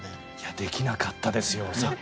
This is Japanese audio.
できなかったですよ。